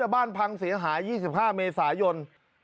บ้านพังเสียหาย๒๕เมษายน